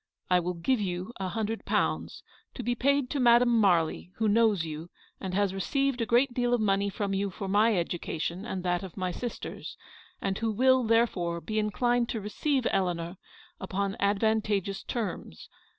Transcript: I will give you a hundred pounds, to be paid to Madame Marly, who knows you, and has received a great deal of money from you for my education and that of my sisters, and who will, therefore, be inclined to receive Eleanor upon advantageous terms.